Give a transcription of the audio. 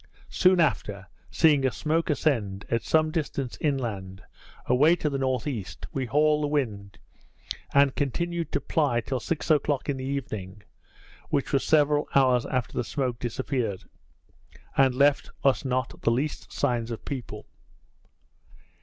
Soon after, seeing a smoke ascend, at some distance inland, away to the N.E. we hauled the wind, and continued to ply till six o'clock in the evening; which was several hours after the smoke disappeared, and left us not the least signs of people.